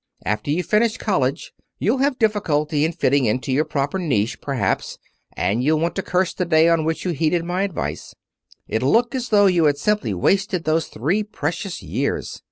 After you finish college you'll have difficulty in fitting into your proper niche, perhaps, and you'll want to curse the day on which you heeded my advice. It'll look as though you had simply wasted those three precious years.